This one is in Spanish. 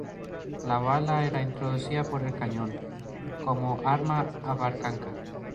La bala era introducida por el cañón, como arma de avancarga.